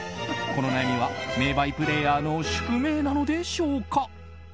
この悩みは名バイプレーヤーの宿命なのでしょうか？